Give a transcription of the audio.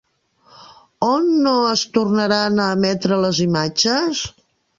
On no es tornaran a emetre les imatges?